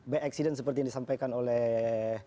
by accident seperti yang disampaikan oleh